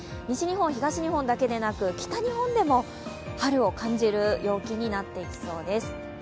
西日本、東日本だけでなく北日本でも春を感じる陽気になってきそうです。